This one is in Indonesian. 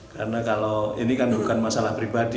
karena ini bukan masalah pribadi